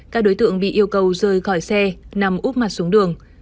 các đối tượng bị yêu cầu rời khỏi xe nằm úp mặt xuống đường